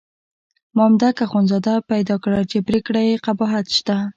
مامدک اخندزاده پیدا کړه چې پرېکړه کې قباحت شته.